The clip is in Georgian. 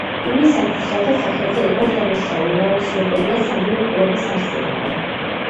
იმისათვის, რათა სახეზე იყოს დანაშაულია, აუცილებელია სამივე პირობის არსებობა.